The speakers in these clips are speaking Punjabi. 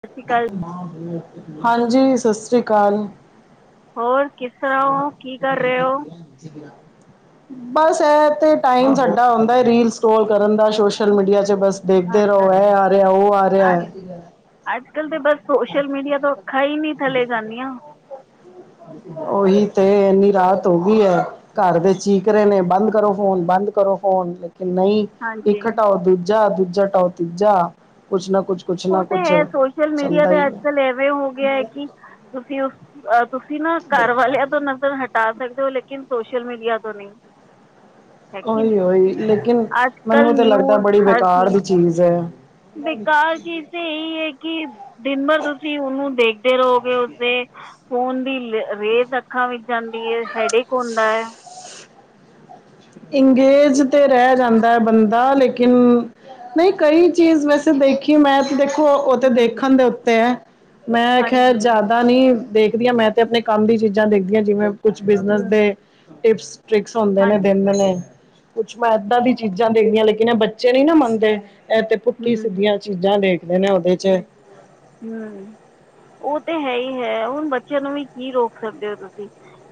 ਸਤਿ ਸ਼੍ਰੀ ਅਕਾਲ ਹਾਂਜੀ ਸਤਿ ਸ੍ਰੀ ਅਕਾਲ ਹੋਰ ਕਿਸ ਤਰ੍ਹਾਂ ਹੋ ਕੀ ਕਰ ਰਹੇ ਹੋ [unintelligible] ਬਸ ਇਹ ਤੇ ਟਾਈਮ ਸਾਡਾ ਹੁੰਦਾ ਰੀਲ ਸਟੋਲ ਕਰਨ ਦਾ ਸੋਸ਼ਲ ਮੀਡੀਆ ਚ ਬਸ ਦੇਖਦੇ ਅੱਛਾ ਰਹੋ ਅੱਛਾ ਇਹ ਆ ਰਿਹਾ ਉਹ ਆ ਰਿਹਾ ਅੱਜ ਹੈ ਅੱਜ ਕਲ ਤੇ ਬਸ ਸੋਸ਼ਲ ਮੀਡੀਆ ਤੋਂ ਅਖਾ ਹੀ ਨਹੀਂ ਥੱਲੇ ਜਾਂਦੀਆਂ ਉਹੀ ਤੇ ਇੰਨੀ ਰਾਤ ਹੋ ਗਈ ਆ। ਘਰ ਦੇ ਚੀਕ ਰਹੇ ਨੇ ਬੰਦ ਕਰੋ ਫੋਨ ਬੰਦ ਕਰੋ ਫੋਨ ਲੇਕਿਨ ਨਹੀਂ। ਹਾਂਜੀ ਇੱਕ ਹਟਾਓ ਦੂਜਾ ਦੂਜਾ ਹਟਾਓ ਤੀਜਾ ਕੁਛ ਨਾ ਕੁੱਛ ਉਹ ਤੇ ਹੈ ਸੋਸ਼ਲ ਮੀਡੀਆ ਤੇ ਅੱਜਕਲ ਐਵੇਂ ਹੋ ਗਿਆ ਹੈ ਕਿ- ਤੁਸੀਂ ਉਸ ਤੁਸੀਂ ਨਾ ਘਰ ਵਾਲਿਆਂ ਤੋਂ ਨਜ਼ਰ ਹਟ ਟਾ ਸਕਦੇ ਹੋ ਲੇਕਿਨ ਸੋਸ਼ਲ ਮੀਡੀਆ ਤੋਂ ਨੀ। ਹੈ ਕੀ ਉਹੀ ਨਹੀਂ ਉਹੀ ਲੇਕਿਨ ਮੈਨੂੰ ਅੱਜਕਲਲ ਤਾਂ ਲੱਗਦਾ ਨਿਊਜ਼ ਬੜੀ ਹਰ ਬੇਕਾਰ ਚੀਜ਼ ਦੀ ਚੀਜ਼ ਐ। ਬੇਕਾਰ ਚੀਜ਼ ਤਾਂ ਇਹੀ ਹੈ ਕਿ, ਦਿਨ ਭਰ ਤੁਸੀਂ ਉਹਨੂੰ ਦੇਖ ਦੇ ਰਹੋਗੇ ਉਦੇ, ਫੋਨ ਦੀ ਰੇਜ਼ ਅੱਖਾਂ ਵਿੱਚ ਆਂਦੀ ਏ ਹੈਡੇਕ ਹੁੰਦਾ ਏ। ਇੰਗੇਜ ਤੇ ਰਹਿ ਜਾਂਦਾ ਹੈ ਬੰਦਾ ਲੇਕਿਨ ਨਹੀਂ ਕਈ ਚੀਜ਼ ਵੈਸੇ ਦੇਖੀ ਮੈਂ ਦੇਖੋ ਉਹ ਤੇ ਹੂੰ ਦੇਖਣ ਦੇ ਉੱਤੇ ਹੈ ਮੈਂ ਖਿਆ ਹਾਂਜੀ ਜ਼ਿ ਆਦਾ ਨੀ ਦੇਖਦੀ ਆਂ ਮੈਂ ਤੇ ਆਪਣੇ ਕੰਮ ਦੀ ਚੀਜ਼ਾਂ ਦੇਖਦੀ ਆ ਜਿਵੇਂ ਕੁਛ ਬਿਜਨਸ ਹੂੰ ਦੇ, ਟਿਪਸ ਟ੍ਰਿਕਸ ਹੁੰਦੇ ਨੇ। ਹਾਂਜੀ ਦਿੰਦੇ ਕੁਛ ਮੈਂ ਏਦਾਂ ਦੀ ਚੀਜ਼ਾਂ ਦੇਖਦੀ ਆ ਲੇਕਿਨ ਇਹ ਬੱਚੇ ਨੀ ਨਾ ਮੰਨਦੇ ਇਹ ਤੇ ਪੁੱਠੀ ਹੂੰ ਸਿੱਧੀਆਂ ਚੀਜ਼ਾਂ ਦੇੇਖਦੇ ਨੇ ਉਹਦੇ ਚ। ਹੂੰ ਉਹ ਤੇ ਹੈ ਹੀ ਹੈ ਹੁਣ ਬੱਚਿਆਂ ਨੂੰ ਵੀ ਕੀ ਰੋਕ ਸਕਦੇ ਹੋ ਤੁਸੀਂ।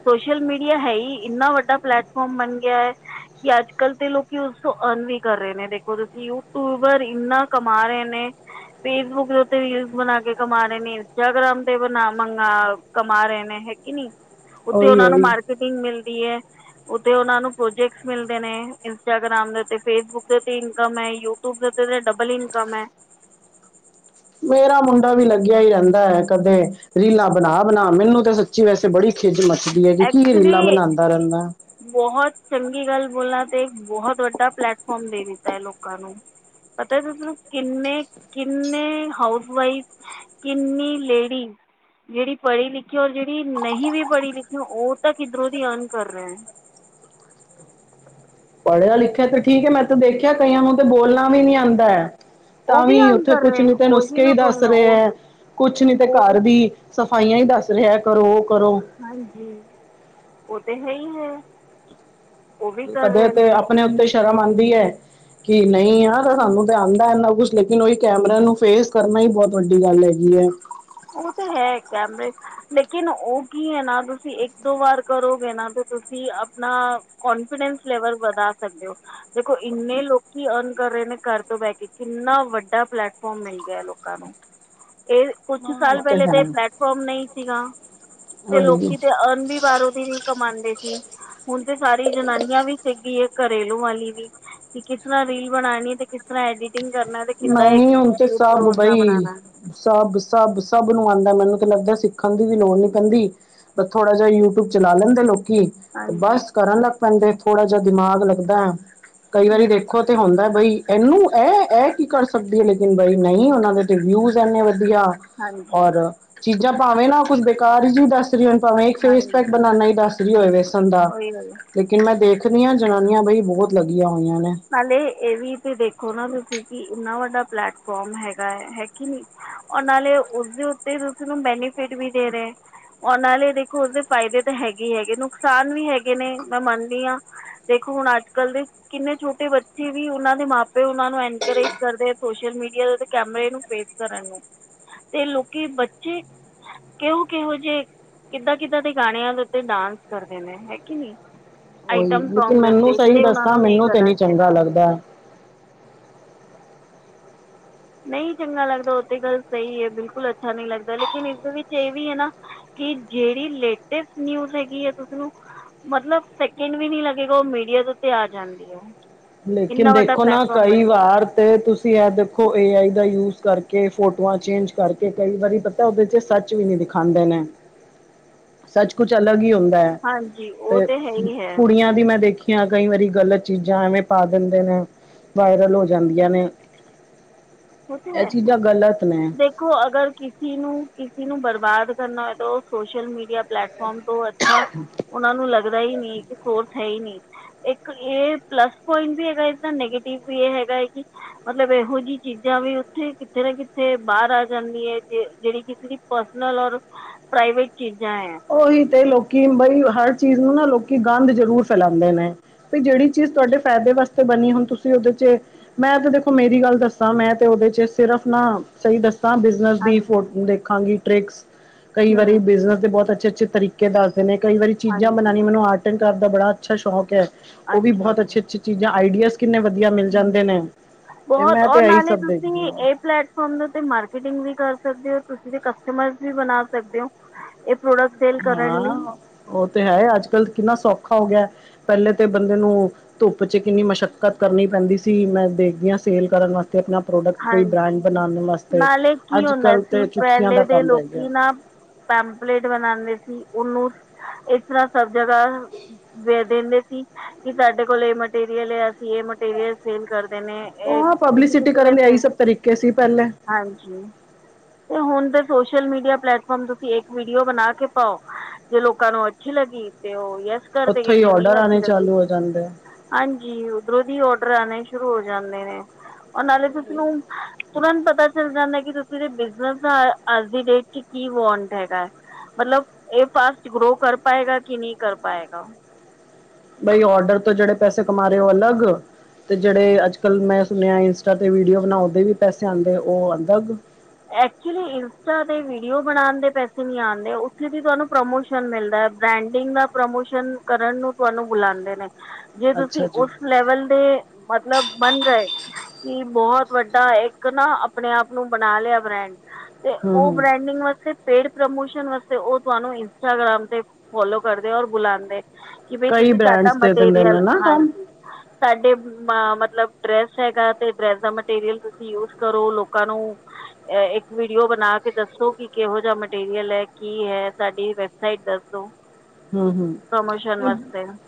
ਸੋਸ਼ਲ ਮੀਡੀਆ ਹੈ ਹੀ ਇੰਨਾ ਵੱਡਾ ਪਲੈਟਫਾਰਮ ਬਣ ਗਿਆ ਐ। ਕਿ ਅੱਜਕੱਲ ਤੇ ਲੋਕੀ ਉਸ ਤੋਂ ਅਰਨ ਵੀ ਕਰ ਰਹੇ ਨੇ ਦੇਖੋ ਤੁਸੀਂ ਯੂਟਿਊਬਰ ਇੰਨਾ ਕਮਾ ਰਹੇ ਨੇ। ਫੇਸਬੁੱਕ ਦੇ ਉੱਤੇ ਵੀ ਬਣਾ ਕੇ ਕਮਾ ਰਹੇ ਨੇ ਇੰਸਟਾਗ੍ਰਾਮ ਤੇ ਬਣਾ ਮੰਗ ਕਮਾ ਰਹੇ ਨੇ ਹੈ ਕੀ ਨੀ। ਉਤੇ ਉਹੀ ਉਹਨਾਂ ਨੂੰ ਉਹੀ ਮਾਰਕੀਟਿੰਗ ਮਿਲਦੀ ਐ। ਉਤੇ ਉਹਨਾਂ ਨੂੰ ਪ੍ਰੋਜੈਕਟਸ ਮਿਲਦੇ ਨੇ ਇੰਸਟਾਗ੍ਰਾਮ ਦੇ ਉਤੇ ਫੇਸਬੁੱਕ ਇਨਕਮ ਐ ਯੂਟਿਊਬ ਦੇ ਉੱਤੇ ਤੇ ਡਬਲ ਇਨਕਮ ਐ। ਮੇਰਾ ਮੁੰਡਾ ਵੀ ਲੱਗਿਆ ਹੀ ਰਹਿੰਦਾ ਹੈ ਕਦੇ, ਰੀਲਾਂ ਬਣਾ-ਬਣਾ ਮੈਨੂੰ ਤਾਂ ਸੱਚੀ ਵੈਸੇ ਬੜੀ ਖਿਝ ਮੱਚਦੀ ਹੈ ਕਿ ਕੀ ਇਹ ਰੀਲਾਂ ਐਕਚੁਲੀ ਬਣਾਦਾ ਰਹਿੰਦਾ। ਬਹੁਤ ਚੰਗੀ ਗੱਲ ਬੋਲਣਾ ਤੇ ਬਹੁਤ ਵੱਡਾ ਪਲੈਟਫਾਰਮ ਦੇ ਦਿੱਤਾ ਹੈ ਲੋਕਾਂ ਨੂੰ। ਪਤਾ ਜਿਸਨੂੰ ਕਿੰਨੇ, ਕਿੰਨੇ ਹਾਊਸ ਵਾਈਫ ਕਿੰਨੀ ਲੇਡੀ- ਜਿਹੜੀ ਪੜ੍ਹੀ ਲਿਖੀ ਔਰ ਜਿਹੜੀ ਨਹੀਂ ਵੀ ਪੜ੍ਹੀ ਲਿਖੀ ਉਹ ਤਾਂ ਕਿੱਧਰੋਂ ਦੀ ਅਰਨ ਕਰ ਰਿਹਾ। ਪੜ੍ਹਿਆ ਲਿਖਿਆ ਤੇ ਠੀਕ ਹੈ ਮੈਂ ਤੇ ਦੇਖਿਆ ਕਈਆਂ ਨੂੰ ਤੇ ਬੋਲਣਾ ਵੀ ਨੀ ਆਂਦਾ। ਉਹ ਤਾਂ ਵੀ ਅਰਨ ਉੱਥੇ ਕਰ ਕੁਛ ਰਹੇ ਨੀ ਤੇ ਉਹੀ ਨੁਸਖੇ ਹੀ ਮੈਂ ਦੱਸ ਬੋਲ ਰਹੀ ਰਹੇ ਉਹ ਹੈ ਕੁਛ ਨੀ ਤੇ ਉਹ ਘਰ ਵੀ ਸਫਾਈਆਂ ਹੀ ਦੱਸ ਰਿਹਾ ਕਰੋ ਉਹ ਕਰੋ। ਹਾਂਜੀ, ਉਹ ਤੇ ਹੈ ਹੀ ਹੈ। ਉਹ ਵੀ ਕਰ ਕਦੇ ਰਹੇ ਤੇ ਨੇ ਆਪਣੇ ਉੱਤੇ ਸ਼ਰਮ ਆਂਦੀ ਏ। ਕਿ ਨਹੀਂ ਯਾਰ ਸਾਨੂੰ ਤੇ ਆਂਦਾ ਇੰਨਾ ਕੁਛ ਲੇਕਿਨ ਉਹੀ ਕੈਮਰਾ ਨੂੰ ਫੇਸ ਕਰਨਾ ਹੀ ਬਹੁਤ ਵੱਡੀ ਗੱਲ ਹੈਗੀ ਐ। ਉਹ ਤਾਂ ਹੈ ਕੈਮਰੇ ਲੇਕਿਨ ਉਹ ਕੀ ਹੈ ਨਾ ਤੁਸੀਂ ਇੱਕ-ਦੋ ਵਾਰ ਕਰੋਗੇ ਨਾ ਤੇ ਤੁਸੀਂ ਆਪਣਾ ਕਨਫੀਡੈਂਸ ਲੈਵਲ ਵਧਾ ਸਕਦੇ ਹੋ। ਦੇਖੋ ਇੰਨੇ ਲੋਕੀ ਅਰਨ ਕਰ ਰਹੇ ਨੇ ਘਰ ਤੋਂ ਬਹਿ ਕੇ ਕਿੰਨਾ ਵੱਡਾ ਪਲੈਟਫੋਮ ਮਿਲ ਗਿਆ ਲੋਕਾਂ ਨੂੰ। ਇਹ- ਕੁਛ ਹਾਂ ਉਹ ਸਾਲ ਤੇ ਪਹਿਲੇ ਤਾਂ ਹੈ ਇਹ ਪਲੈਟਫਾਰਮ ਨਹੀਂ ਸੀਗਾ, ਤੇ ਉਹੀ ਲੋਕੀ ਤੇ ਅਰਨ ਵੀ ਬਾਹਰੋਂ ਦੀ ਕਮਾਂਦੇ ਸੀ। ਹੁਣ ਤੇ ਸਾਰੀ ਜਨਾਨੀਆਂ ਵੀ ਸਿੱਖਗੀ ਏ। ਘਰੇਲੂ ਵਾਲੀ ਵੀ, ਕਿ ਕਿਸ ਤਰ੍ਹਾਂ ਰੀਲ ਬਣਾਣੀ ਹੈ ਤੇ ਕਿਸ ਤਰ੍ਹਾਂ ਐਡਿਟ ਐਕਟਿੰਗ ਕਰਨਾ ਤੇ ਕਿੱਦਾਂ ਇੱਕ ਲੂਪ ਰੋਜ਼ ਦਾ ਬਣਾਂਣਾ। ਸਭ-ਸਭ, ਸਭ ਨੂੰ ਆਂਦਾ, ਮੈਨੂੰ ਤੇ ਲੱਗਦਾ ਸਿੱਖਣ ਦੀ ਵੀ ਲੋੜ ਨੀ ਪੈਂਦੀ ਪਰ ਥੋੜਾ ਜਿਹਾ ਯੂ-ਟੂਬ ਚਲਾ ਲੈਂਦੇ ਲੋਕੀ ਤੇ ਹਾਂਜੀ ਬਸ ਕਰਨ ਲੱਗ ਪੈਂਦੇ ਥੋੜਾ ਜਿਹਾ ਦਿਮਾਗ ਲੱਗਦਾ। ਕਈ ਵਾਰੀ ਹੂੰ ਦੇਖੋ ਤੇ ਹੁੰਦਾ ਬਈ, ਇਹਨੂੰ ਇਹ-ਇਹ ਕੀ ਕਰ ਸਕਦੀਆ ਨੇ, ਲੇਕਿਨ ਬਾਈ ਨਹੀਂ, ਉਹਨਾਂ ਦੇ ਤੇ ਵਿਊਜ਼ ਐਨੇ ਵਧੀਆ। ਹਾਂਜੀ ਔਰ ਚੀਜ਼ਾਂ ਭਾਵੇਂ ਨਾ ਕੁੱਝ ਬੇਕਾਰ ਜੀ ਦੱਸ ਤੇ ਜਿਵੇਂ ਹੁਣ ਭਾਵੇਂ ਇੱਕ ਫੇਸ ਪੈਕ ਹਾਂਜੀ ਬਨਾਨਾ ਈ ਦੱਸ ਰਹੀ ਹੋਏ, ਵੇਸਣ ਦਾ ਉਹੀ ਉਹੀ ਲੇਕਿਨ ਮੈਂ ਦੇਖਨੀ ਆ, ਜ਼ਨਾਨੀਆਂ ਬਈ ਬਹੁਤ ਲੱਗੀਆਂ ਹੋਈਆਂ ਨੇ। ਨਾਲੇ ਇਹ ਵੀ ਤੇ ਦੇਖੋ ਨਾ ਤੁਸੀਂ ਕਿ ਇੰਨਾ ਵੱਡਾ ਪਲੇੈਟਫੋਮ ਹੈਗਾ, ਹੈ ਕਿ ਨੀ। ਔਰ ਨਾਲੇ ਉਹਦੇ ਉੱਤੇ ਤੁਸੀਂ ਨੂੰ ਬੈਨੀਫਿਟ ਵੀ ਦੇ ਰਹੇ। ਔਰ ਨਾਲੇ ਦੇਖੋ ਉਸਦੇ ਫ਼ਾਇਦੇ ਤਾਂ ਹੈਗੇ ਹੀ ਹੈਗੇ। ਨੁਕਸਾਨ ਵੀ ਹੈਗੇ ਨੇ, ਮੈਂ ਮੰਨਦੀ ਆ ਦੇਖੋ ਹੁਣ ਅੱਜ-ਕੱਲ੍ਹ ਦੇ ਕਿੰਨੇ ਛੋਟੇ ਛੋਟੇ ਬੱਚੇ ਵੀ ਉਨ੍ਹਾਂ ਦੇ ਮਾਪੇ ਉਨ੍ਹਾਂ ਨੂੰ ਐਂਕਰੇਜ ਕਰਦੇ। ਸੋਸ਼ਲ ਮੀਡੀਆ ਦੇ ਉੱਤੇ ਕੈਮਰੇ ਨੂੰ ਫੇਸ ਕਰਨ ਨੂੰ। ਤੇ ਲੋਕੀ ਬੱਚੇ, ਕਿਹੋ-ਕਿਹੋ ਜੇ ਕਿੱਦਾਂ-ਕਿੱਦਾਂ ਦੇ ਗਾਣਿਆਂ ਦੇ ਉੱਤੇ ਡਾਂਸ ਕਰਦੇ ਨੇ, ਹੈ ਕਿ ਨੀ। ਉਹੀ, ਲੇਕਿਨ ਮੈਨੂੰ ਸਹੀ ਦੱਸਾਂ, ਨੂੰ ਨਹੀਂ ਮੈਨੂੰ ਤੇ ਕਰਨਾ ਨੀ ਚੰਗਾ ਚਾਹੀਦਾ ਲੱਗਦਾ। ਨਹੀਂ ਚੰਗਾ ਲੱਗਦਾ, ਉਹ ਤੇ ਗੱਲ ਸਹੀ ਏ ਬਿਲਕੁਲ ਅੱਛਾ ਨਹੀਂ ਲੱਗਦਾ। ਲੇਕਿਨ ਇਸਦੇ ਵਿੱਚ ਇਹ ਵੀ ਏ ਨਾ। ਠੀਕ ਜਿਹੜੀ ਲੇਟੈਸ ਨਿਊਜ ਹੈਗੀ ਏ, ਉਸਨੂੰ ਮਤਲਬ ਸੈਕਿੰਡ ਵੀ ਨੀ ਲੱਗੇਗਾ, ਉਹ ਮੀਡੀਆ ਦੇ ਉਤੇ ਆ ਜਾਂਦੀ ਆ। ਲੇਕਿਨ ਦੇਖੋ ਨਾ, ਕਈ ਵਾਰ ਤੇ ਤੁਸੀਂ ਇਹ ਦੇਖੋ, ਏ ਆਈ ਦਾ ਯੂਜ ਕਰ ਕੇ ਫੋਟੋਆਂ ਚੇਂਜ ਕਰਕੇ, ਕਈ ਵਾਰੀ ਪਤਾ ਉਹਦੇ 'ਚ ਸੱਚ ਵੀ ਨੀ ਦਿਖਾਂਦੇ ਨੇ। ਸੱਚ ਕੁਚ ਅਲੱਗ ਈ ਹੁੰਦਾ ਹਾਂਜੀ ਉਹ ਤੇ ਤਾਂ ਹੈ ਹੀ ਹੈ ਕੁੜੀਆਂ ਦੀ ਮੈਂ ਦੇਖੀ ਜਾਂ ਕਈ ਵਾਰੀ ਗ਼ਲਤ ਚੀਜ਼ਾਂ ਐਵੇਂ ਪਾ ਦਿੰਦੇ ਨੇ, ਵਾਇਰਲ ਹੋ ਜਾਂਦੀਆਂ ਨੇ। ਉਹ ਤੇ ਇਹ ਹੈ। ਦੇਖ ਚੀਜ਼ਾਂ ਗ਼ਲਤ ਨੇ ਦੇਖੋ, ਅਗਰ ਕਿਸੀ ਨੂੰ, ਕਿਸੀ ਨੂੰ ਬਰਬਾਦ ਕਰਨਾ ਹੋਏ ਤਾਂ ਉਹ ਸੋਸ਼ਲ ਮੀਡੀਆ ਪਲੇੈਟਫਾਮ ਤੋਂ ਅੱਛਾ [inaudible] ਉਹਨਾ ਨੂੰ ਲੱਗਦਾ ਈ ਨੀ ਕਿ ਕੋਰਸ ਹੈ ਈ ਨਹੀਂ। ਇੱਕ ਇਹ ਪਲੱਸ ਪੁਆਇੰਟ ਵੀ ਹੈਗਾ ਏਦਾ, ਨੈਗੇਟਿਵ ਵੀ ਇਹ ਹੈਗਾ ਏ ਕਿ, ਮਤਲਬ ਇਹੋ ਜਿਹੀ ਚੀਜ਼ਾਂ ਵੀ ਉੱਥੇ ਕਿੱਥੇ ਨਾ ਕਿੱਥੇ ਬਾਹਰ ਆ ਜਾਂਦੀ ਐ। ਜਿਹੜੀ ਕਿਸੇ ਦੀ ਪਰਸਨਲ ਔਰ ਪ੍ਰਾਈਵੇਟ ਚੀਜ਼ਾਂ ਆ। ਉਹੀ ਤੇ ਲੋਕੀ ਹੁਣ ਬਈ, ਹਰ ਚੀਜ਼ ਨੂੰ ਨਾ ਲੋਕੀ ਗੰਦ ਜ਼ਰੂਰ ਫੈਲਾਂਦੇ ਨੇ। ਪ‌ਈ ਜਿਹੜੀ ਚੀਜ਼ ਤੁਹਾਡੇ ਫ਼ਾਇਦੇ ਵਾਸਤੇ ਬਣੀ, ਹੁਣ ਤੁਸੀਂ ਉਹਦੇ 'ਚ ਮੈਂ ਤੇ ਦੇਖੋ, ਮੇਰੀ ਗੱਲ ਦੱਸਾਂ ਮੈਂ ਤੇ ਉਹਦੇ 'ਚ ਸਿਰਫ ਨਾ ਸਹੀ ਦੱਸਾਂ, ਬਿਜ ਬਿਜ਼ਨਸ ਦੀ ਫੋ ਹਾਂਜੀ ਦੇਖਾਂਗੀ ਟ੍ਰਿਕਸ, ਕਈ ਵਾਰੀ ਹੂੰ ਬਿਜ਼ਨਸ ਦੇ ਬਹੁਤ ਅੱਛੇ-ਅੱਛੇ ਤਰੀਕੇ ਦੱ ਮੈਂ ਕਈ ਵਾਰੀ ਚੀਜ਼ਾਂ ਹਾਂਜੀ ਬਨਾਂਨੀ, ਮੈਨੂੰ ਆਰਟ ਐਂਡ ਕਰਾਫਟ ਦਾ ਬੜਾ ਅੱਛਾ ਸ਼ੌਕ ਐ। ਉਹ ਵੀ ਅੱਛਾ ਬਹੁਤ ਜੀ ਅੱਛੀ-ਅੱਛੀ ਚੀਜ਼ਾਂ, ਆਈਡੀਆਸ ਕਿੰਨੇ ਵਧੀਆ ਮਿਲ ਜਾਂਦੇ ਨੇ। ਤੇ ਬਹੁਤ, ਮੈਂ ਤੇ ਔਰ ਇਹੀ ਨਾਲੇ ਸਭ ਦੇਖਦੀ ਤੁਸੀਂ ਹਾਂ। ਇਹ ਫਲੈਟ ਕੰਮ ਦਾ ਤੇ ਮਾਰਕੀਟਿੰਗ ਵੀ ਕਰ ਸਕਦੇ ਓ ਤੁਸੀ, ਕਸਟਮਰ ਵੀ ਬਣਾ ਸਕਦੇ ਓ। ਇਹ ਪ੍ਰੋਡਕਟ ਸੇਲ ਕਰਨ ਲਈ ਹਾਂ, ਉਹ ਤੇ ਹੈ, ਅੱਜ-ਕੱਲ੍ਹ ਕਿੰਨਾ ਸੌਖਾ ਹੋ ਗਿਆ, ਪਹਿਲੇ ਤੇ ਬੰਦੇ ਨੂੰ ਧੁੱਪ 'ਚ ਕਿੰਨੀ ਮਸ਼ੱਕਤ ਕਰਨੀ ਪੈਂਦੀ ਸੀ। ਮੈਂ ਦੇਖਦੀ ਆ ਸੇਲ ਕਰਨ ਵਾ ਤੇ ਆਪਣਾ ਪ੍ਰੋਡਕਟ ਕੋਈ ਹਾਂਜੀ ਬ੍ਰਾਂਡ ਬਣਾਉਣ ਵਾਸਤੇ, ਨਾਲੇ ਕੀ ਹੁੰਦਾ ਅੱਜ-ਕੱਲ੍ਹ ਸੀ ਤੇ ਚੁਟਕੀਆਂ ਪਹਿਲੇ ਦਾ ਦੇ ਕੰਮ ਰਹਿ ਲੋਕ ਗਿਆ। ਨਾ ਪੈਂਪਲੇਟ ਬਣਾਂਦੇ ਸੀ, ਉਹਨੂੰ ਇਸ ਤਰ੍ਹਾਂ ਸਭ ਜਗ੍ਹਾ ਦੇ ਦਿੰਦੇ ਸੀ, ਕੀ ਸਾਡੇ ਕੋਲ਼ ਇਹ ਮਟੀਰੀਅਲ ਆ ਇਹ ਮਟੀਰੀਅਲ ਸੇਲ ਕਰਦੇ ਨੇ, ਇਹ ਤੁਸੀਂ ਕਿਸੇ ਨੇ ਇਹ ਸੇਲ ਸਭ ਤਰੀਕੇ ਸੀ ਪਹਿਲੇ। ਹਾਂਜੀ, ਤੇ ਹੁਣ ਤੇ ਸੋਸ਼ਲ ਮੀਡੀਆ ਪਲੇੈਟਫਾਰਮ ਤੁਸੀਂ ਇੱਕ ਵੀਡੀਓ ਬਣਾ ਕੇ ਪਾਓ। ਜੇ ਲੋਕਾਂ ਨੂੰ ਅੱਛੀ ਲੱਗੀ ਤੇ ਉਹ ਯਸ ਕਰ ਉੱਥੋਂ ਦੇਗੇ ਹੀ ਜੇ ਨਹੀਂ ਔਡਰ ਅੱਛੀ ਆਉਣੇ ਲੱਗੀ ਚਾਲੂ ਹੋ ਜਾਂਦੇ ਆ ਹਾਂਜੀ, ਉਧਰੋਂ ਦੀ ਆਰਡਰ ਆਣੇ ਸ਼ੁਰੂ ਹੋ ਜਾਂਦੇ ਨੇ ਉਹ ਨਾਲੇ [unintelligible] ਤੁਰੰਤ ਪਤਾ ਚਲ ਜਾਂਦਾ ਐ ਇਸ ਵੇਲੇ ਬਿਜਨਸ ਦਾ ਅੱਜ ਦੀ ਡੇਟ ਵਿੱਚ ਕੀ ਵਾਂਟ ਹੈਗਾ। ਮਤਲਬ ਇਹ ਫਾਸਟ ਗਰੋ ਕਰ ਪਾਏਗਾ ਕਿ ਨਹੀਂ ਕਰ ਪਾਏਗਾ। ਬਈ ਆਰਡਰ ਤੋਂ ਜਿਹੜੇ ਪੈਸੇ ਕਮਾ ਰਹੇ ਉਹ ਅਲੱਗ ਤੇ ਜਿਹੜੇ ਅੱਜ ਕੱਲ੍ਹ ਮੈਂ ਸੁਣਿਆ ਇੰਸਟਾ ਤੇ ਵੀਡੀਓ ਬਣਾਓ ਊਦੇ ਵੀ ਪੈਸੇ ਆਂਦੇ ਉ ਅਲੱਗ। ਐਕਚੁਲੀ ਇੰਸਟਾ ਤੇ ਵੀਡੀਓ ਬਣਾਣ ਦੇ ਪੈਸੇ ਨਹੀਂ ਆਂਦੇ ਉੱਥੇ ਦੀ ਤੁਹਾਨੂੰ ਪ੍ਰਮੋਸ਼ਨ ਮਿਲਦਾ ਬ੍ਰਾਂਡਿੰਗ ਦਾ ਪ੍ਰਮੋਸ਼ਨ ਕਰਨ ਨੂੰ ਤੁਹਾਨੂੰ ਬੁਲਾਂਦੇ ਨੇ ਜੇ ਤੁਸੀਂ ਅੱਛਾ ਜੀ ਉਸ ਲੈਵਲ ਦੇ ਮਤਲਬ ਬਣ ਗਏ। ਕਿ ਬਹੁਤ ਵੱਡਾ ਇੱਕ ਨਾ ਆਪਣੇ ਆਪ ਨੂੰ ਬਣਾ ਲਿਆ। ਬ੍ਰਾਂਡ, ਤੇ ਹਮ ਉਹ ਹਮ ਬ੍ਰੈਂਡਿੰਗ ਵਾਸਤੇ ਪੇਡ ਪ੍ਰਮੋਸ਼ਨ ਵਾਸਤੇ ਉਹ ਤੁਹਾਨੂੰ ਇੰਸਟਾਗ੍ਰਾਮ ਤੇ ਫੋਲੋ ਕਰਦੇ ਔਰ ਬੁਲਾਂਦੇ ਕਿ ਬਈ ਕਈ ਤੁਸੀਂ ਸਾਡਾ ਬ੍ਰਾਂਡਸ ਦੇ ਦਿੰਦੇ ਮਟੀਰੀਅਲ, ਨੇ ਨਾ ਕੰਮ ਹਾਂਜੀ, ਸਾਡੇ ਮਤਲਬ ਡਰੈਸ ਹੈਗਾ ਤੇ, ਡਰੈਸ ਦਾ ਮਟੀਰੀਅਲ ਤੁਸੀਂ ਯੂਜ ਕਰੋ ਲੋਕਾਂ ਨੂੰ ਇੱਕ ਵੀਡੀਓ ਬਣਾ ਕੇ ਦੱਸੋ ਕਿ ਕਿਹੋ ਜਿਹਾ ਮਟੀਰੀਅਲ ਐ ਕੀ ਐ ਸਾਡੀ ਵੈਬਸਾਈਟ ਦੱਸ ਦੋ। ਹੁੰ, ਹੁੰ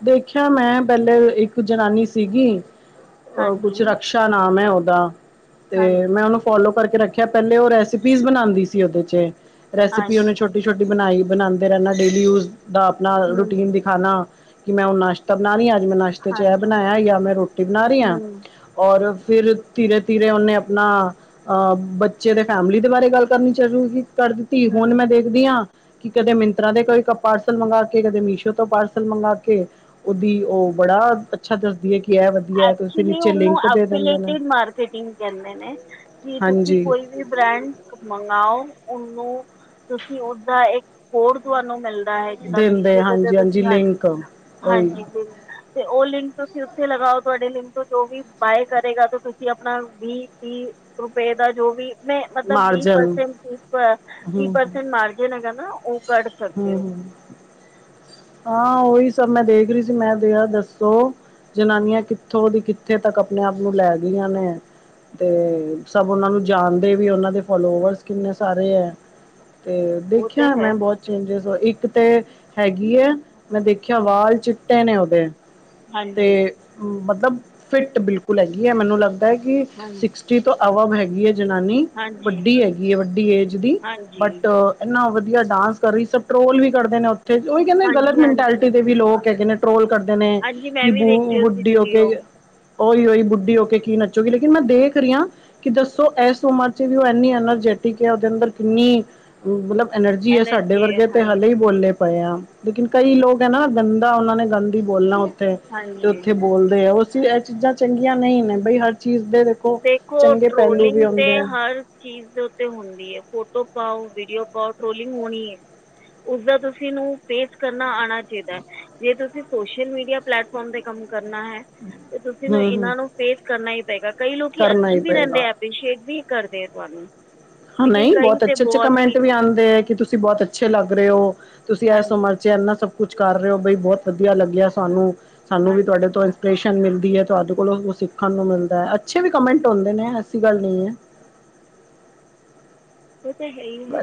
ਦੇਖ ਖਿਆ ਮੈਂ ਪਹਿਲੇ ਇੱਕ ਜਨਾਨੀ ਸੀਗੀ, ਹਾਂਜੀ ਕੁਛ ਰਕਸ਼ [unintelligible] ਨਾਮ ਐ ਉਹਦਾ, ਤੇ ਹਾਂਜੀ ਮੈਂ ਉਹਨੂੰ ਫੋਲੋ ਕਰਕੇ ਰੱਖ ਪਹਿਲੇ ਉਹ ਰੈਸਿਪੀਜ਼ ਬਣਾਂਦੀ ਸੀ ਉਹਦੇ ਚ, ਰੈਸਿਪੀ ਉਹਨੇ ਹਾਂਜੀ ਛੋਟੀ ਛੋਟੀ ਬਣਾਈ ਬਣਾਦੇ ਰਹਣਾ ਡੇਲੀ ਯੂਜ ਦਾ ਆਪਣਾ ਹੂੰ ਰੂਟੀਨ ਦਿਖਾਣਾ ਕਿ ਮੈਂ ਹੁਣ ਨਾਸ਼ ਬਣਾ ਰਹੀ, ਅੱਜ ਮੈਂ ਨਾਸ਼ਤੇ ਚ ਇਹ ਹਾਂਜੀ ਬਣਾਇਆ ਜਾਂ ਮੈਂ ਰੋਟੀ ਬਣਾ ਰਹੀ ਹਾਂ। ਹੂੰ ਔਰ ਫੇਰ ਤੀਰੇ-ਤੀਰੇ ਉਹਨੇ ਆਪਣਾ ਅਹ ਬੱਚੇ ਦੇ ਫੈਮਿਲੀ ਦੇ ਬਾਰੇ ਗੱਲ ਕਰਨੀ ਚ ਕਰ ਦਿੱਤੀ ਹੁਣ ਹੂੰ ਮੈਂ ਦੇਖਦੀ ਹਾਂ ਕਿ ਕਦੇ ਮਿੰਤਰਾਂ ਦੇ ਕੋਈ ਕੱਪਾੜ ਮੰਗਾ ਕੇ ਕਦੇ ਮੀਸ਼ੋ ਤੋਂ ਪਾਰਸਲ ਮੰਗਾ ਕੇ ਉਹਦੀ ਉਹ ਬੜਾ ਅੱਛਾ ਦੱਸਦੀ ਐ ਕਿ ਇਹ ਵਧੀਆ ਤੇ ਫਿਰ ਐਕਚੁਲੀ ਨੀਚੇ ਉਣੁ ਲਿੰਕ ਦੇ ਦਿੰਦੇ ਨੇ ਐਫੀਲੇਟੇਡ ਮਾਰਕਟਿੰਗ ਕਹਿੰਦੇ ਨੇ, ਕਿ ਤੁਸੀਂ ਹਾਂਜੀ ਕੋਈ ਬ੍ਰਾਂਡ ਮੰਗਾਓ ਉਹਨੂੰ ਤੁਸੀਂ ਉਸਦਾ ਇੱਕ ਕੋਡ ਤੁਹਾਨੂੰ ਮਿਲ ਦਾ ਹੈ, ਜਿੱਦਾਂ ਦਿੰਦੇ ਮੀਸ਼ੋ ਤੇ ਤੇ ਹਾਂਜੀ ਤੁਸੀ ਹਾਂਜੀ, ਲਿੰਕ ਉਹੀ ਹਾਂਜੀ ਬਿਲ ਤੇ ਉਹ ਲਿੰਕ ਤੁਸੀਂ ਉੱਥੇ ਲਗਾਓ। ਤੁਹਾਡੇ ਲਿੰਮ ਤੋਂ ਜੋ ਵੀ ਬਾਏ ਕਰੇਗਾ, ਤਾਂ ਤੁਸੀਂ ਆਪਣਾ ਵੀਹ ਤੀਹ ਰੁਪਏ ਦਾ ਜੋ ਵੀ ਮਤਲਬ ਵੀ ਮਾਰਜਨ ਪਰਸੈਂਟ [unintelligible] ਤੀਹ ਹਮ ਪਰਸੈਂਟ ਮਾਰਜਨ ਹੈਗਾ ਨਾ ਉਹ ਕੱਢ ਸਕਦੇ ਹਮ ਹੋ। ਹਮ ਹਾਂ, ਉਓਹੀ ਸਭ ਮੈਂ ਦੇਖ ਰਹੀ ਸੀ, ਮੈਂ ਦਯਾ ਦੱਸੋ? ਜਨਾਨੀਆਂ ਕਿੱਥੋਂ ਦੀ ਕਿੱਥੇ ਤੱਕ ਆਪਣੇ ਆਪ ਨੂੰ ਲੈ ਗਈਆਂ ਨੇ। ਅਤੇ ਸਭ ਉਹਨਾਂ ਨੂੰ ਜਾਣਦੇ ਵੀ ਉਹਨਾਂ ਦੇ ਫੋਲੋਵਰਸ ਕਿੰਨੇ ਸਾਰੇ ਐ। ਤੇ ਉਹ ਤਾਂ ਦੇਖਿਆ ਹੈ ਮੈਂ ਬਹੁਤ ਚੇਂਜਿਸ ਹੋਏ, ਇੱਕ ਤੇ ਗੀ ਹੈ, ਮੈਂ ਦੇਖਿਆ ਵਾਲ ਚਿੱਟੇ ਨੇ ਉਹਦੇ, ਹਾਂਜੀ ਤੇ ਮਤਲਬ ਫਿੱਟ ਬਿਲਕੁਲ ਹੈਗੀ ਐ, ਮੈਨੂੰ ਲੱਗਦਾ ਐ ਕਿ ਹਾਂ ਸਿਕਸਟੀ ਤੋਂ ਅਵਵ ਹੈਗੀ ਐ ਜਨਾਨੀ ਹਾਂਜੀ ਵੱਡੀ ਹੈਗੀ ਐ ਵੱਡੀ ਏਜ ਦੀ, ਹਾਂਜੀ ਬਟ ਇੰਨਾ ਵਧੀਆ ਡਾਂਸ ਕਰ ਰਹੀ, ਸਭ ਟਰੋਲ ਵੀ ਕਰਦੇ ਨੇ ਉੱਥੇ ਉਹਹੀ ਕਹਿੰਦੇ ਗਲਤ ਹਾਂਜੀ ਮੈਂਟੈਲਿਟੀ ਹਾਂਜੀ ਦੇ ਵੀ ਲੋਕ ਹੈਗੇ ਨੇ। ਟੋਲ ਕਰਦੇ ਨੇ ਹਾਂਜੀ ਮੈਂ ਕਿ ਵੀ ਦੇਖੀ ਉਸਦੀ ਬੂ-ਬੁੱਡੀ ਹੋ ਕੇ ਵੀਡੀਓ ਉਓਹੀ ਉਹੀ ਬੁੱਢੀ ਹੋ ਕੇ ਕੀ ਨੱਚੋਗੀ, ਲੇਕਿਨ ਮੈਂ ਦੇਖ ਰਹੀ ਹਾਂ। ਕਿ ਦੱਸੋ ਇਸ ਉਮਰ ਚ ਵੀ ਉਹ ਇੰਨੀ ਐਨਰਜੈਟਿਕ ਐ, ਉਹਦੇ ਅੰਦਰ ਕਿੰਨੀ ਮਤਲਬ ਐਨਰਜੀ ਹੈ ਸਾਡੇ ਹੈ ਵਰਗੇ ਤੇ ਹਲੇੇ ਹਾਂਜੀ ਹੀ ਬੋਲੇ ਪਏ ਆ ਲੇਕਿਨ ਕਈ ਲੋਕ ਹੈ ਨਾ ਗੰਦਾ ਉਹਨਾਂ ਨੇ ਗੰਦੀ ਬੋਲਣਾ ਤੇ ਹਾਂਜੀ ਉੱਥੇ ਬੋਲਦੇ ਆ ਉਸ ਇਹ ਚੀਜ਼ਾਂ ਚੰਗੀਆਂ ਨਹੀਂ ਨੇ ਬਈ ਹਰ ਚੀਜ਼ ਦੇ ਦੇਖੋ ਚੰਗੇ ਪਹਿਲੂ ਟਰੋਲਿੰਗ ਵੀ ਤੇ ਆਉਂਦੇ ਆ ਹਰ ਚੀਜ਼ ਦੇ ਉੱਤੇ ਹੁੰਦੀ ਹੈ ਫੋਟੋ ਪਾਓ ਵੀਡੀਓ ਪਾਓ ਟਰੋਲਿੰਗ ਹੋਣੀ ਹੈ ਉਸਦਾ ਤੁਸੀਂ ਨੂੰ ਪੇਸਟ ਕਰਨਾ ਆਣਾ ਚਾਈਦਾ ਜੇ ਤੁਸੀਂ ਸੋਸ਼ਲ ਮੀਡੀਆ ਪਲੇੈਟਫਾਰਮ ਤੇ ਕੰਮ ਕਰਨਾ ਹੈ ਤੇ ਤੁਸੀਂ ਨੂੰ ਹੂੰ ਹੂੰ ਇਹਨਾਂ ਨੂੰ ਫੇਸ ਕਰਨਾ ਹੀ ਪਏਗਾ ਕਈ ਲੋਕੀ ਕਰਨਾ ਹੀ ਅੱਛੀ ਵੀ ਰਹਿੰਦੇ ਪਏਗਾ ਆ ਅਭਿਸ਼ੇਕ ਵੀ ਕਰਦੇ ਆ ਤੁਹਾਨੂੰ ਹ ਲੇਕਿਨ ਨਹੀਂ ਕਈ ਬੋਤ ਤਾਂ ਅੱਛੇ ਅੱਛੇ ਬਹੁਤ ਹੀ ਕਮੈਂਟ ਵੀ ਆਂਦੇ ਹੈ ਕਿ ਤੁਸੀਂ ਤੁਸੀਂ ਬੋਤ ਅੱਛੇ ਲੱਗ ਰਹੇ ਹੋ ਤੁਸੀਂ ਇਹ ਹਾਂਜੀ ਸਮਰਚ ਐਨਾ ਸਭ ਕੁਛ ਕਰ ਰਹੇ ਹੋ ਬਈ ਬੋਤ ਵਧੀਆ ਲੱਗਿਆ ਸਾਨੂੰ ਸਾਨੂੰ ਵੀ ਹਾਂਜੀ ਤੁਹਾਡੇ ਤੋਂ ਮਿਲਦੀ ਹੈ ਤੁਹਾਡੇ ਕੋਲੋਂ ਸਿੱਖਣ ਨੂੰ ਮਿਲਦਾ ਅੱਛੇ ਵੀ ਕਮੈਂਟ ਹੋਂਦੇ ਨੇ ਐਸੀ ਗੱਲ ਨਹੀਂ ਹੈ ਉਹ ਤਾਂ ਹੈ ਹੀ ਹੈ,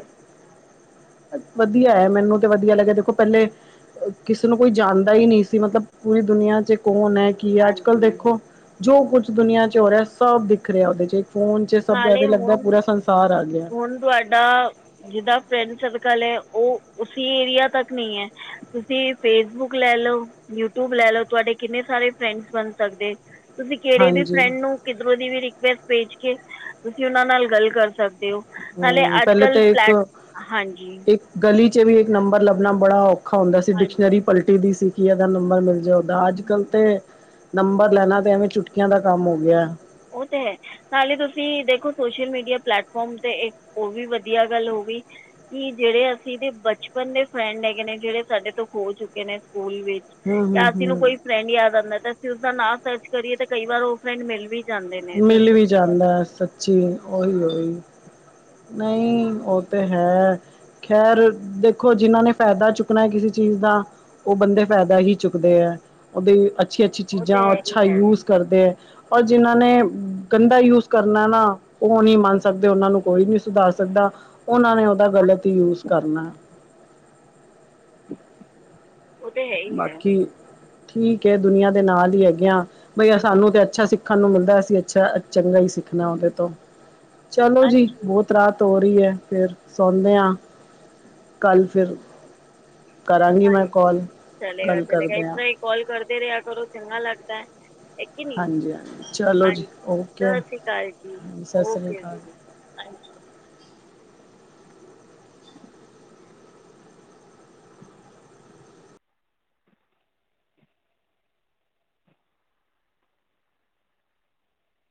ਵਧੀਆ ਹੈ ਮੈਨੂੰ ਤੇ ਵਧੀਆ ਲੱਗਿਆ ਦੇਖੋ ਪੈਲੇ ਕਿਸੇ ਨੂੰ ਕੋਈ ਜਾਣਦਾ ਹੀ ਨਹੀਂ ਸੀ ਮਤਲਬ ਪੂਰੀ ਦੁਨੀਆਂ ਚ ਕੌਣ ਹੈ ਕੀ ਅੱਜ ਕੱਲ ਹਾਂਜੀ ਦੇਖੋ ਜੋ ਕੁੱਛ ਦੁਨੀਆਂ ਚ ਹੋ ਰਿਹਾ ਸਭ ਦਿਖ ਰਿਹਾ ਉਹਦੇ ਚ ਫੋਨ ਸਭ ਦਾ ਤੇ ਨਾਲੇ ਲੱਗਦਾ ਹੁਣ ਪੂਰਾ ਸੰਸਾਰ ਆ ਗਿਆ ਹੁਣ ਤੁਹਾਡਾ, ਜਿਦਾ ਫਰੈਂਡ ਸਰਕਲ ਹੈ ਉਹ ਉਸੀ ਏਰੀਆ ਤੱਕ ਨਹੀਂ ਹੈ ਤੁਸੀਂ ਫੇਸਬੁੱਕ ਲੈ ਲਓ ਯੂਟਿਊਬ ਲੈ ਲਓ ਤੁਹਾਡੇ ਕਿੰਨੇ ਸਾਰੇ ਫਰੈਂਡਸ ਬਣ ਸਕਦੇ ਤੁਸੀਂ ਕਿਹੜੇ ਵੀ ਹਾਂਜੀ ਫਰੈਂਡ ਨੂੰ ਕਿਧਰੋਂ ਦੀ ਵੀ ਰਿਕੁਐਸਟ ਭੇਜ ਕੇ ਤੁਸੀਂ ਉਹਨਾਂ ਨਾਲ ਗੱਲ ਕਰ ਸਕਦੇ ਹੋ ਹਾਲੇ ਹਮ ਅੱਜ ਪਹਿਲੇ ਤਾਂ ਕੱਲ੍ਹ ਪਲੈਟ ਇੱਕ ਹਾਂਜੀ ਇੱਕ ਗਲੀ ਚ ਵੀ ਇੱਕ ਨੰਬਰ ਲੱਭਣਾ ਬੜਾ ਔਖਾ ਹੁੰਦਾ ਸੀ ਹਾਂਜੀ ਡਿਕਸ਼ਨਰੀ ਪਲਟੀ ਦੀ ਸੀ ਕਿ ਇਹਦਾ ਨੰਬਰ ਮਿਲ ਜਾਓ ਅੱਜ ਕਲ ਹੂੰ। ਤੇ ਨੰਬਰ ਲੈਣਾ ਤੇ ਐਵੇਂ ਚੁਟਕੀਆਂ ਦਾ ਕੰਮ ਹੋ ਗਿਆ ਉਹ ਤੇ ਹੈ ਨਾਲੇ ਤੁਸੀਂ ਦੇਖੋ ਸੋਸ਼ਲ ਮੀਡੀਆ ਪਲੇੈਟਫੋਮ ਤੇ ਇੱਕ ਹੋ ਵੀ ਵਧੀਆ ਗੱਲ ਹੋ ਗਈ ਕਿ ਜਿਹੜੇ ਅਸੀਂ ਦੇ ਬਚਪਨ ਦੇ ਫਰੈਂਡ ਹੈਗੇ ਨੇ ਜਿਹੜੇ ਸਾਡੇ ਤੋਂ ਹੋ ਚੁੱਕੇ ਨੇ ਸਕੂਲ ਵਿੱਚ ਹੂੰ ਹੂੰ ਜਾਂ ਅਸੀਂ ਨੂੰ ਹੂੰ ਕੋਈ ਫਰੈਂਡ ਯਾਦ ਆਂਦਾ ਤੇ ਅਸੀਂ ਉਸਦਾ ਨਾਂ ਸਰਚ ਕਰੀਏ ਤੇ ਕਈ ਵਾਰ ਉਹ ਫਰੈਂਡ ਮਿਲ ਵੀ ਜਾਂਦੇ ਨੇ ਮਿਲ ਸੋਸ਼ਲ ਵੀ ਮੀਡੀਆ ਜਾਂਦਾ 'ਤੇ ਹੈ ਸੱਚੀ ਉਓਹੀ ਉਓਹੀ ਨਹੀਂ ਉਹ ਤੇ ਹੈ ਖੈਰ ਦੇਖੋ ਜਿਨਾਂ ਨੇ ਫ਼ਾਇਦਾ ਚੁੱਕਣਾ ਹੈ ਕਿਸੇ ਚੀਜ਼ ਦਾ ਉਹ ਬੰਦੇ ਫਾਇਦਾ ਹੀ ਚੁੱਕਦੇ ਹੈ ਉਹਦੀ ਅੱਛੀ ਅੱਛੀ ਉਹ ਤਾਂ ਚੀਜ਼ਾਂ ਹੈ ਹੀ ਅੱਛਾ ਹੈ ਯੂਜ ਕਰਦੇ ਹੈ ਔਰ ਜਿਹਨਾ ਨੇ ਗੰਦਾ ਯੂਜ ਕਰਨਾ ਨਾ ਉਹ ਨਹੀਂ ਮੰਨ ਸਕਦੇ ਉਹਨਾਂ ਨੂੰ ਕੋਈ ਨੀ ਸੁਧਾਰ ਸਕਦਾ ਉਹਨਾਂ ਨੇ ਉਹਦਾ ਗਲਤ ਹੀ ਯੂਜ ਕਰਨਾ ਉਹ ਤਾਂ ਹੈ ਹੀ ਹੈ ਬਾਕੀ ਠੀਕ ਹੈ ਦੁਨੀਆਂ ਦੇ ਨਾਲ ਹੀ ਹੈਗੇ ਆ ਬਈ ਸਾਨੂੰ ਤੇ ਅੱਛਾ ਸਿੱਖਣ ਨੂੰ ਮਿਲਦਾ ਅਸੀਂ ਅੱਛਾ ਚੰਗਾ ਹੀ ਸਿੱਖਣਾ ਉਹਦੇ ਤੋਂ ਚਲੋ ਜੀ ਹਾਂਜੀ ਬੋਤ ਫਿਰ ਸੌਂਦੇ ਹਾਂ ਕੱਲ ਫਿਰ ਕਰਾਂਗੀ ਮੈਂ ਹਾਂਜੀ ਕਾਲ ਚਲੇਗਾ ਗੱਲ ਚਲੇਗਾ ਕਰਦੇ ਇਸ ਹਾਂ ਤਰ੍ਹਾਂ ਹੀ ਕਾਲ ਕਰਦੇ ਰਿਹਾ ਕਰੋ ਚੰਗਾ ਲੱਗਦਾ ਹੈ ਨ ਹਾਂਜੀ ਹਾਂਜੀ ਚਲੋ ਜੀ ਹਾਂਜੀ ਓਕੇ ਸਤਿ ਸ਼੍ਰੀ ਅਕਾਲ ਜੀ ਹਾਂਜੀ ਸਤਿ ਸ਼੍ਰੀ ਅਕਾਲ ਓਕੇਜੀ ਅੱਛਾ